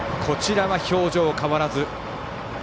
こちらは表情変わらず。